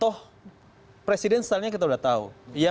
toh presiden setelahnya kita udah tahu